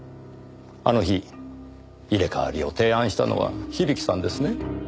あの日入れ替わりを提案したのは響さんですね？